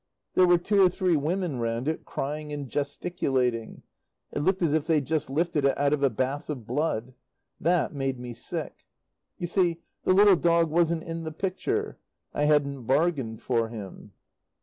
There were two or three women round it, crying and gesticulating. It looked as if they'd just lifted it out of a bath of blood. That made me sick. You see, the little dog wasn't in the picture. I hadn't bargained for him.